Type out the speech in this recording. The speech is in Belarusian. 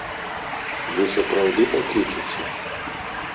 Вы сапраўды так лічыце?